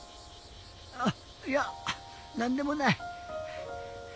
あっいやなんでもない。